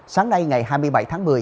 sáng nay ngày hai mươi bảy tháng một mươi